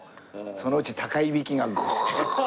そのうち高いびきがゴーッ。